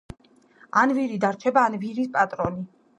ან ვირი დარჩება ან ვირის პატრონი